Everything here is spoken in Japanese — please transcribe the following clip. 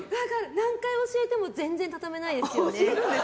何回教えても全然畳めないですよね。